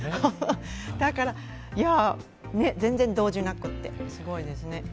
だから全然動じなくてすごいですね。